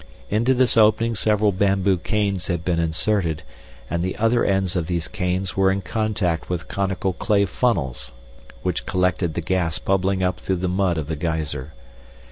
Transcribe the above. Into this opening several bamboo canes had been inserted and the other ends of these canes were in contact with conical clay funnels which collected the gas bubbling up through the mud of the geyser.